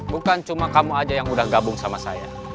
bukan cuma kamu aja yang udah gabung sama saya